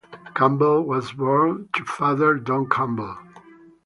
Campbell was born to father Don Campbell.